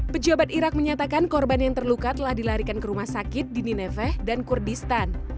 pejabat irak menyatakan korban yang terluka telah dilarikan ke rumah sakit di nineveh dan kurdistan